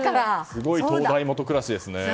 すごい灯台もと暗しですね。